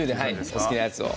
お好きなやつを。